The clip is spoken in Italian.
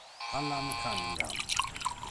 Allan Cunningham